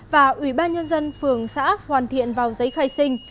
và ủy ban nhân dân phường xã hoàn thiện vào giấy khai sinh